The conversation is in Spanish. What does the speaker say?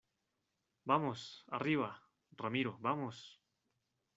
vamos, arriba. ramiro , vamos .